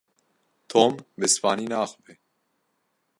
Tom bi Spanî naaxive.